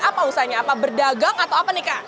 apa usahanya apa berdagang atau apa nih kak